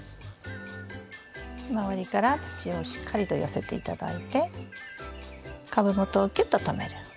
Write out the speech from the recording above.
周りから土をしっかりと寄せて頂いて株元をきゅっととめる。